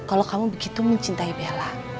kalau kamu begitu mencintai bella